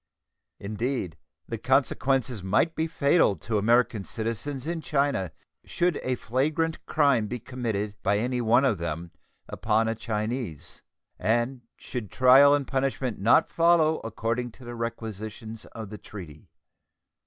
Indeed, the consequences might be fatal to American citizens in China should a flagrant crime be committed by any one of them upon a Chinese, and should trial and punishment not follow according to the requisitions of the treaty.